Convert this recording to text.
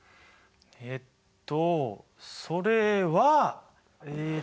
えっとそれはえっと。